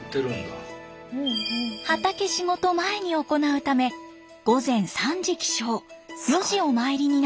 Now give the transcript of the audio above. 畑仕事前に行うため午前３時起床４時お参りになったんだそう。